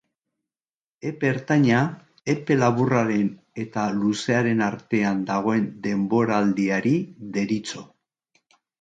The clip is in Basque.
Epe ertaina epe laburraren eta luzearen artean dagoen denbora-aldiari deritzo.